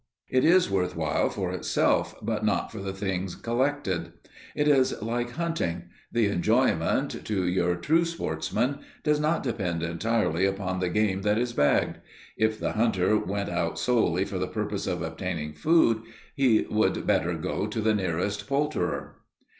It is worth while for itself, but not for the things collected. It is like hunting. The enjoyment, to your true sportsman, does not depend entirely upon the game that is bagged. If the hunter went out solely for the purpose of obtaining food he would better go to the nearest poulterer.